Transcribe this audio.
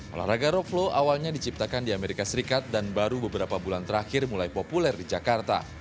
olahraga rope flow awalnya diciptakan di amerika serikat dan baru beberapa bulan terakhir mulai populer di jakarta